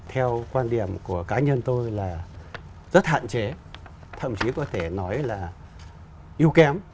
theo quan điểm của cá nhân tôi là rất hạn chế thậm chí có thể nói là yêu kém